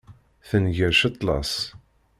Tenger ccetla-s.